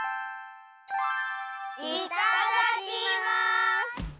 いただきます！